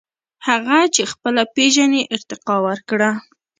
• هغه چې خپله پېژنې، ارتقاء ورکړه.